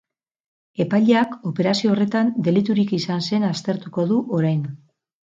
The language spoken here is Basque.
Epaileak operazio horretan deliturik izan zen aztertuko du orain.